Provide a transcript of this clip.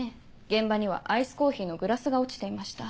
現場にはアイスコーヒーのグラスが落ちていました。